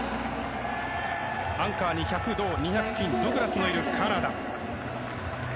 アンカーに１００銅、２００金ドグラスもいるカナダ。